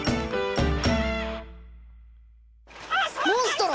モンストロ